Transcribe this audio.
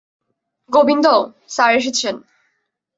Govinda, sir এসেছেন।